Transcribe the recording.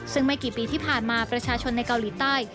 ซึ่งไม่กี่ปีที่ผ่านมาประชาชนในเกาหลีใต้